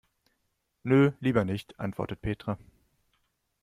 Nö, lieber nicht, antwortet Petra.